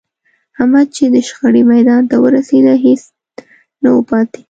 احمد چې د شخړې میدان ته ورسېد، هېڅ نه و پاتې